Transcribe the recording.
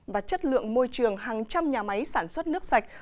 và chất lượng môi trường hàng trăm nhà máy sản xuất nước sạch